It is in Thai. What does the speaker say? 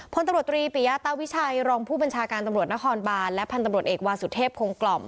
พลตำรวจตรีปิยาตาวิชัยรองผู้บัญชาการตำรวจนครบานและพันธุ์ตำรวจเอกวาสุเทพคงกล่อม